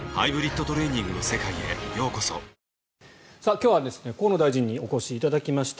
今日は河野大臣にお越しいただきました。